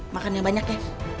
makan yang banyak ya